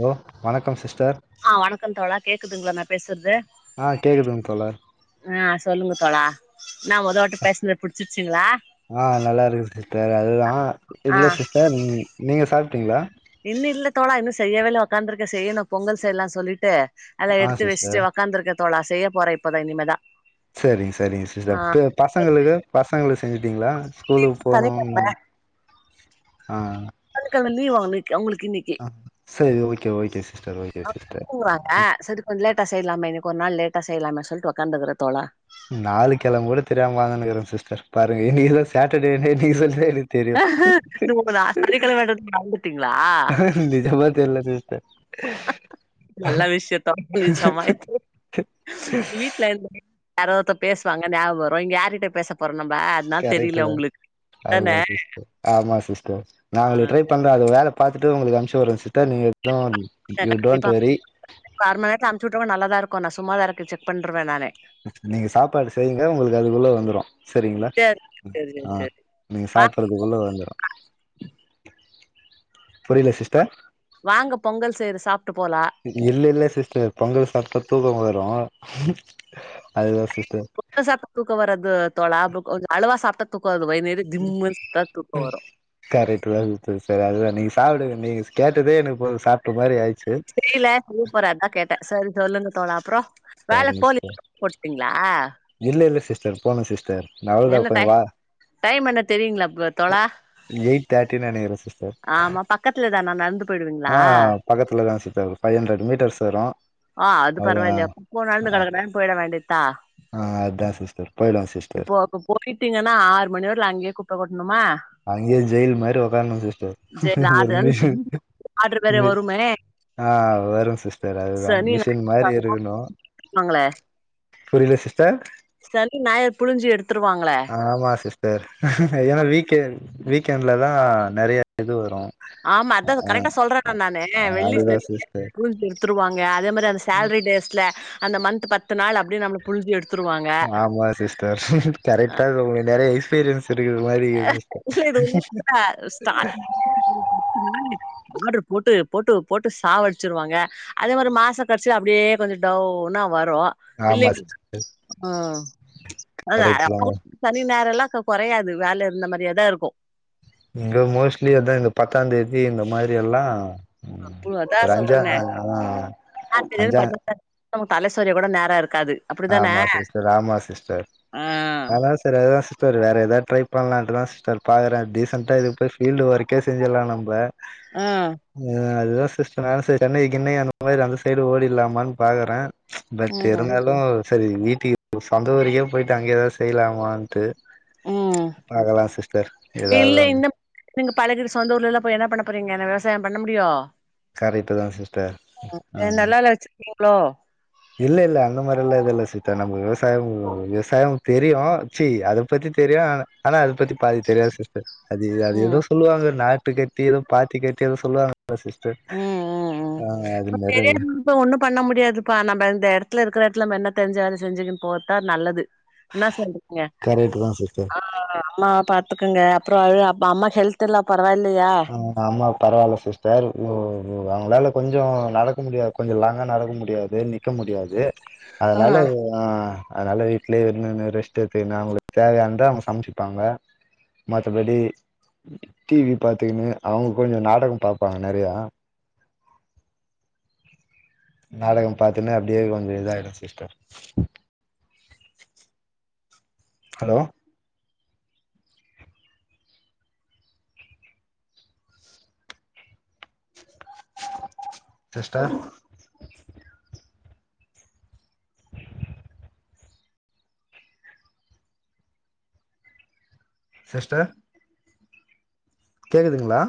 hello வணக்கம் sister ஆஹ் வணக்கம் தோழா கேக்குதுங்களா ந பேசுறது ஆ கேக்குதுங்க தோழர் ஆ சொல்லுங்க தோழா நா மொத வாட்டி பேசுனது புடிச்சிருச்சுங்களா ஆ நல்லா இருக்கு சிஸ்டர் அதுதா ஆ ஆ இல்ல சிஸ்டர் நீங் நீங்க சாப் டீங்ளா இன்னு இல்ல தோழா இன்னு செய்யவே இல்ல ஒக்காந்துருக்கே செய்யணு பொங்கல் செய்லா சொல்லிட்டு அத ஆ எடுத்து சிஸ்டர் வச்சிட்டு ஓக்காந்துருக்க தோழா செய்ய போறே இப்பதா இனிமேதா சரிங் சரிங்க சிஸ் ஆ அப்ப பசங்களுக்கு பசங்ளு செஞ்சுடீங்ளா ஸ்கூலுக்கு போனு சனிக்கெழம ஆ சனிக்கெழம லீவா இன்னைக்கி அவுங்களுக் இன்னைக்கி ஆ சரி ஓகே ஓகே சிஸ்டர் ஓகே ஆ சிஸ்டர் தூங்குறாங்க சரி கொஞ்ச லேட்டா செய்லாமே இன்னிக் ஒர் நாள் லே ட்டா செய்லாமே சொல்ட்டு ஒக்காந்துக்குற தோழா நாலு கெழம கூட தெரியாம உட்காந்துகுனுகிற சிஸ்டர் பாருங்க இன்னிகிதா சேட்டர்டேனே நீங்க சொல்லிதா எனக் இது உங்களா சனிக்கிழமன்றதே மறந்துட்டீங்களா நிஜமா தெர்ல சிஸ்டர் நல்ல விஷ்யந்தா உங்ளுக்கு செம இது வீட்ல இருந்துமே இன்னொர்த்த பேஸ்வாங்க ஞாபகவரு இங்க யாரிட்ட பேச போரு நம்ப அதுனால தெரில கரெக்ட்டுதா உங்ளுக்கு அதான அதுதா சிஸ்டர் ஆமா சிஸ்டர் நா அவங்ளுக்கு ட்ரை பண்ற அது வேல பாத்துட்டு உங்குளுகு அனுப்ச் போற சிஸ்டர் நீங்க இப்பதா அ கண்டிப்பா இப்ப அரமண்நேரத்துல அம்ச்சுட்ருவ நல்லாதா இருக் கு நா சும்மாதாருக்கு செக் பண்ற்ருவ நானு நீங்க சாப்பாடு செய்யுங்க உங்களுக்கு அதுக்குள்ள வந்துரு சரிங்ளா சேரி சேரி ஆ சேரி சேரி நீங்க வா சாப்புறதுக்குள்ள வந்துரு புரில சிஸ்டர் வாங்க பொங்கல் செய்ற சாப் இல்ல இல்ல சிஸ்டர் பொங்கல் சாப்ட்டா தூக்கமா வந் துரு அதுதா சிஸ் பொங்கல் சாப்ட்டா தூக்கோ வராது து தோழா கொஞ் அளவா சாப்ட்டா தூக் கரெட்டுதா வித்து சா அது தா நீங் சாப்புடுங்க நீங்க கேட்டதே எனக்கு போது சாப்ட்ட மாரி ஆய்டு செய்யில கூப்புறே அதா கேட் சரி சொல்லுங்க தோழா அப்புறோ வேல சரிங்க போலி சிஸ்டர் போட்டீங்ளா டர் போனு சிஸ் என்ன டைம் டைம் என்ன தெரியிங்களா இப்ப எயிட் தேர்ட்டினு நெனக்கிறே சிஸ்டர் ஆமா பக்கத்துல தானா நடந்து போயிடுவீங்களா ஆஹ் பக்கத்துலதா சிஸ்டர் பைவ் ஹண்ட்ரட் மீட்டர்ஸ் வரும் ஆ அதா ஆஹ் வேண்டித்தா ஆஹ் அதா சிஸ்டர் போயிடலா இப்போ ப்போ போயிட்டீங்கன்னா ஆறு மணிவர்ல அங்கயே அங்கே ஜெயில் மாரி உக்காரணு சிஸ்டர் சரி ஒரு ஆர்டர் மீ ஆர்டர் வேற ஆஹ் வரு சிஸ் சனியன [inaudible] புரியில சிஸ் டர் புழிஞ்சு எடுத்துருவாங்களே ஆமா சிஸ்டர் ஏன்னா வீக் வே வீக்கெண்டில தா நெறைய இது வரும் ஆமா அதா கரெக்டா சொல்றேன நானு வெள்ளி அதுதா சனி சிஸ்டர் [unintelligible] த்ருவாங்க அதே மாதி அந்த சேலரி டேஸ்ல அந்த மந்த் பத்து நாள் அப்படியே நம்ம புலுஞ்சி எடு ஆமா சிஸ்டர் அஹ் கரெக்டா சொ நெறய சேரி இல்ல இது [inaudible] ஆர்டர் போட்டு போட்டு போட்டு சாவடிச்சிருவாங்க அதே மாரி மாச கடைசி அப்டியே கொஞ்ச டவுனா வரு [inaudible] ஆமா சிஸ் உம் அ கரெக்ட் அப்ப தாங்க சனி ஞாயிரல்லா கொறையாது வேல இருந்த மாரியேதா இருக்கும் இங்க மோஸ்ட்லி அதா இந்த பத்தா தேதி இந்த மாரி எல்லா ம் அப்பு அதா ஒரு அஞ்சா சொல்றனே ஆ [inaudible] ஆ அஞ்சா [unintelligible] தலசொரிய கூட நேரோ இருக் ஆமா சிஸ்டர் ஆமா சிஸ்டர் ஆ அதா சரி அதா சிஸ்டர் வேற எதா ட்ரை பண்ணலாண்டுதா சிஸ்டர் பாக்கறே திஸ் அ இதுப்ப ஃபீல்டு வர்க் கேஸேஜெல்லா நம்ப ஆஹ் அதுதான் சிஸ்டர் நானு சென்னை கின்னை அந்த மாரி அந்த சைடு ஓடிடலமான்னு பாக்குறேன் பட் ம் தெருங்கல் உ சரி வீட்டிக்கு சொந்த ஊருக்கே போயிட்டு அங்கேயே எதான் செய்யலாமான்ட்டு ம் பாக்கலா சிஸ்டர் ஏதாவது இல்ல ஒன்னு இந்தப் பழகிட் சொந்த ஊர்லல்லா போய் என்ன பண்ண ப்புறீங்க என்ன விவசாயம் பண்ண முடியும் கரெட்டு தா சிஸ்டர் ஆஹ் லோ இல்ல இல்ல அந்த மாதிரி எல்லாம் எது இல்ல சீத்தா நம்ம விவசாயம் விவசாயம் தெரியும் சி அதை பத்தி தெரியும் ஆனா அது பத்தி பாதி தெரியாது சிஸ்டர் அது அது ம் எதோ சொல்லுவாங்க நா பட்டு கட்டியதும் பாத்தி கட்டியதும் சொல்லுவாங்க உம் உம் உம் அது பெரிய மாரி இடத்துக் போய் இப்ப ஒண்ணும் பண்ண முடியாதுப்பா நம்ம இந்த இடத்ல இருக்ற இடத்துல நம்ம என்ன தெரிஞ்ச வேல செஞ்சுன்னு போர்த்தா நல்லது என்ன சொல்ரிங்க கரெக்ட் தா சிஸ்டர் அம்மாவ பாத்துக்கங்க அப் ப்ரோ அழு அப்ப அம்மா ஹெல்த்தெல்லா பாத் ஆஹ் அம்மா பரவால்ல சிஸ்டர் ஓ ஓ அவங்களால கொஞ்சம் நடக்க முடியாது கொஞ்சம் லாங்கா நடக்க முடியாது நிக்க முடியாது ஆ அதனால வு ஆஹ் அதனால வீட்லயே இருந்துன்னு ரெஸ்ட் எட்துன்னு அவங்களுக்கு தேவையானத அவங்க சமைச்சிப்பாங்க மத்தபடி டிவி பாத்தீன்னு அவங்க கொஞ்சம் நாடகம் பார்ப்பாங்க நெறையா நாடகம் பாத்துன்னு அப்படியே கொஞ்சோ இதாயிடும் சிஸ்டர் ஹலோ சிஸ்டர் சிஸ்டர் கேக்குதுங்களா